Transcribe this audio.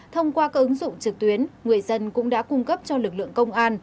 thông qua các ứng dụng trực tuyến người dân cũng đã cung cấp cho lực lượng công an